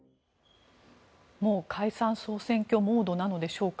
もう解散・総選挙モードなのでしょうか。